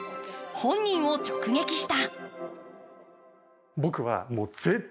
本人を直撃した。